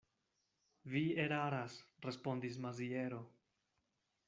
Vi eraras, respondis Maziero.